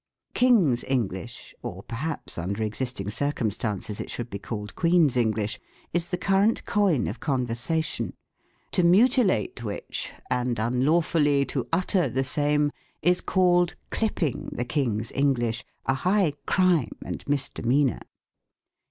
King's English (or perhaps, under existing circum stances it should be called, Queeii's English) is the? current coin of conversation, to mutilate which, and unlawfully to utter the same, is called clipping tlie King's English ; a high crime and misdemeanor.